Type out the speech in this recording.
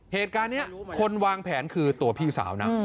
เหตุการณ์นี้คนวางแผนคือตัวพี่สาวนะ